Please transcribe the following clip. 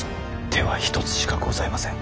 手は一つしかございません。